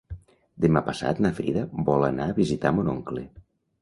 Demà passat na Frida vol anar a visitar mon oncle.